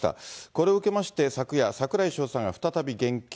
これを受けまして、昨夜、櫻井翔さんが再び言及。